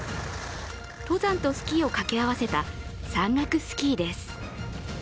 登山とスキーをかけ合わせた山岳スキーです。